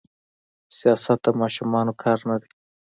سياست د ماشومانو کار نه دي.